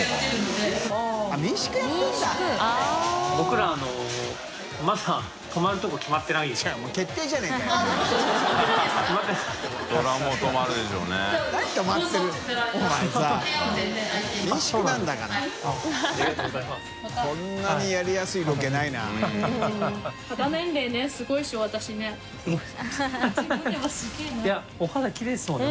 淵好織奪奸いやお肌きれいですもんね